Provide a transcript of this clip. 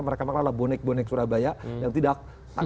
mereka memang adalah bonek bonek surabaya yang tidak